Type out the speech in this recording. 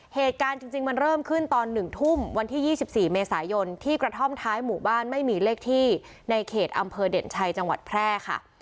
เหตุการณ์จริงมันเริ่มขึ้นตอน๑ทุ่มวันที่๒๔เมษายนที่กระท่อมท้ายหมู่บ้านไม่มีเลขที่ในเขตอำเภอเด่นชัยจังหวัดแพร่ค่ะ